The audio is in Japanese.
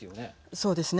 そうですね。